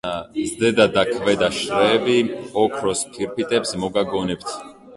ზედა და ქვედა შრეები ოქროს ფირფიტებს მოგაგონებთ.